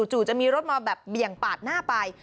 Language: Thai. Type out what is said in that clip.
จะมีรถมาแบบเบี่ยงปาดหน้าไป